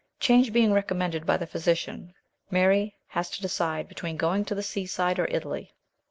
Change being recommended by the physician, Mary has to decide between going to the seaside or Italy.